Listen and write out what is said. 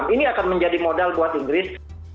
ini akan menjadi modal buat inggris